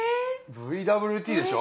ＶＷＴでしょ？